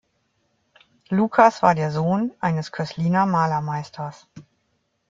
Lucas war der Sohn eines Kösliner Malermeisters.